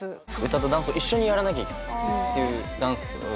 歌とダンスを一緒にやらなきゃいけないというダンスと別なので。